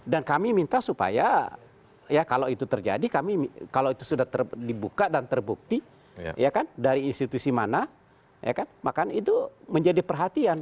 dan kami minta supaya ya kalau itu terjadi kalau itu sudah dibuka dan terbukti dari institusi mana maka itu menjadi perhatian